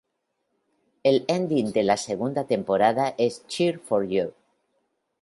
El ending de la segunda temporada es "Cheer for you♪♬".